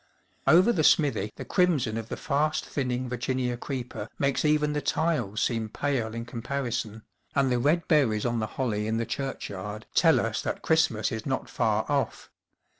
Over the smithy the crimson of the fast thinning Virginia creeper makes even the tiles seem pale in comparison, and the red berries on the holly in the churchyard tell us that Christmas is not far off.